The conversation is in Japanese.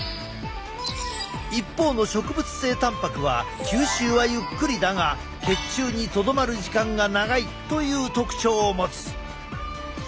一方の植物性たんぱくは吸収はゆっくりだが血中にとどまる時間が長いという特徴を持つ。